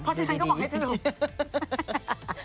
เพราะฉะนั้นเขาบอกให้สรุป